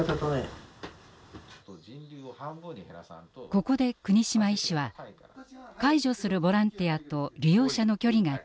ここで國島医師は「介助するボランティアと利用者の距離が近すぎる」と指摘。